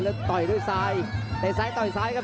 แล้วต่อยด้วยซ้ายเตะซ้ายต่อยซ้ายครับ